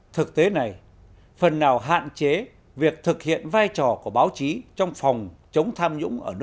thực tế này phần nào hạn chế việc thực hiện vai trò của báo chí trong phòng chống tham nhũng ở nước ta thời gian qua